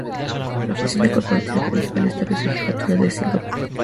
La oficina corporativa principal establece jefatura en Singapur.